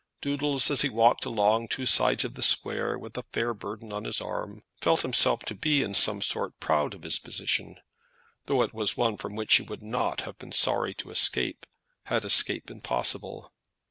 Doodles, as he walked along two sides of the square with the fair burden on his arm, felt himself to be in some sort proud of his position, though it was one from which he would not have been sorry to escape, had escape been possible.